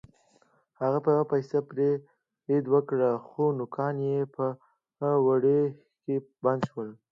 هغه په یو پسه برید وکړ خو نوکان یې په وړۍ کې بند شول.